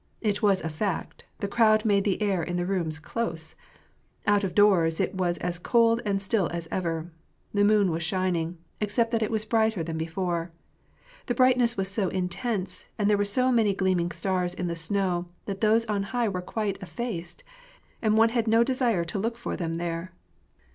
It was a fact, the crowd made the air in the rooms close. Out of doors it was as cold and still as ever; the moon was shining, except that it was brighter than before. The brightness was so intense, and there were so many gleam ing stars in the snow that those on high were quite effaced, and one had no desire to look for them there.